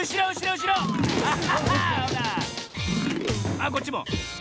あっこっちも。